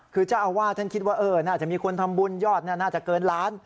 คือเจ้าอาวาสท่านคิดว่าน่าจะมีคนทำบุญยอดน่าจะเกินล้าน